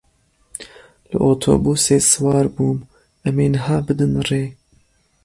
Li otobûsê siwar bûm, em ê niha bidin rê.